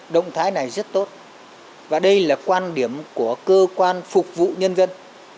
động thái này rất tốt và đây là quan điểm của cơ quan phục vụ nhân dân